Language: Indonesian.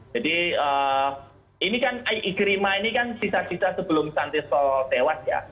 jadi ini kan ikrimah ini kan sisa sisa sebelum santo sotewas ya